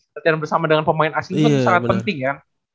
latihan bersama dengan pemain asing itu sangat penting ya